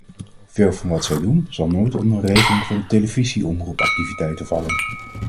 Veel van wat zij doen, zal nooit onder een regeling voor de televisie-omroepactiviteiten vallen.